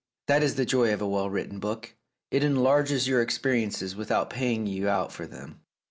That is the joy of a well written book : it enlarges your experiences without paying you out for them."